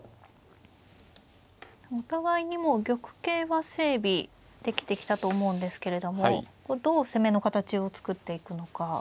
お互いにもう玉形は整備できてきたと思うんですけれどもどう攻めの形を作っていくのか。